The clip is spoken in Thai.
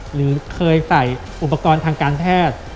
หรือเคยใส่อุปกรณ์ทางการแพทย์